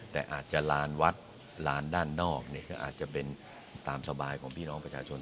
แต่อาจจะลานวัดลานด้านนอกเนี่ยก็อาจจะเป็นตามสบายของพี่น้องประชาชน